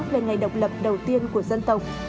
về ngày độc lập đầu tiên của dân tộc